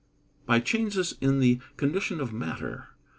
_ By changes in the condition of matter.